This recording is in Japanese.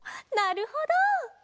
なるほど。